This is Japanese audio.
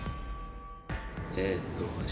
えっと下。